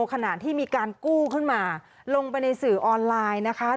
ขณะที่มีการกู้ขึ้นมาลงไปในสื่อออนไลน์นะคะ